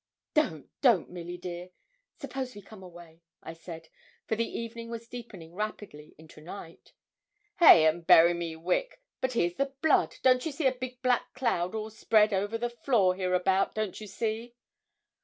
'Don't, don't, Milly dear. Suppose we come away,' I said, for the evening was deepening rapidly into night. 'Hey and bury me wick, but here's the blood; don't you see a big black cloud all spread over the floor hereabout, don't ye see?'